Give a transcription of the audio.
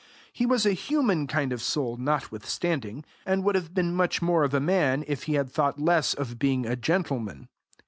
He was a human kind of soul notwithstanding, and would have been much more of a man if he had thought less of being a gentleman.